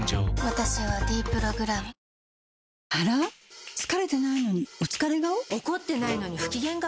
私は「ｄプログラム」あら？疲れてないのにお疲れ顔？